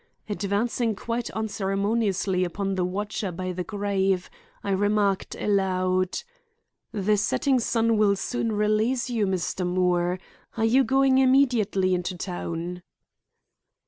Advancing quite unceremoniously upon the watcher by the grave, I remarked aloud; "The setting sun will soon release you, Mr. Moore. Are you going immediately into town?"